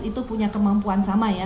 itu punya kemampuan sama ya